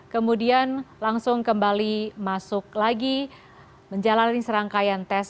kemudian langsung kembali masuk lagi menjalani serangkaian tes